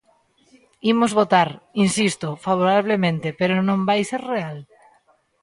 Imos votar –insisto– favorablemente, pero non vai ser real.